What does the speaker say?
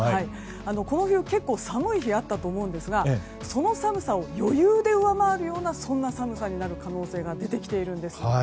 この冬、結構寒い日があったと思うんですがその寒さを余裕で上回るようなそんな寒さになる可能性が出てきているんです。